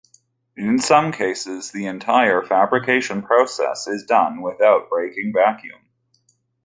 In some cases the entire fabrication process is done without breaking vacuum.